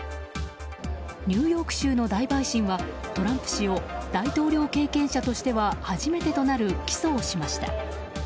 ニューヨーク州の大陪審はトランプ氏を大統領経験者としては初めてとなる、起訴をしました。